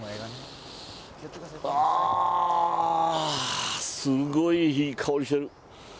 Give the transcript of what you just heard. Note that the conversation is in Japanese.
あぁ、すごいいい香りしてる。